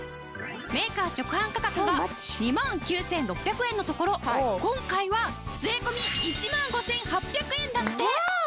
メーカー直販価格が２万９６００円のところ今回は税込１万５８００円だって！